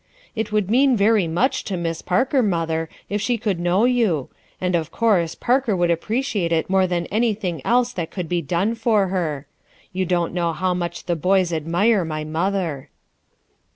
It would mean ver y much to Miss Parker, mother, if she could know you; and of course Parker would appreci ate it more than anything else that could be done for her. You don't know how much the boys admire my mother."